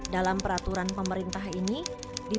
dalam peraturan pemerintah ini